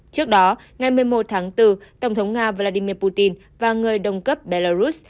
trước đó ngày một mươi một tháng bốn tổng thống nga vladimir putin và người đồng cấp belarus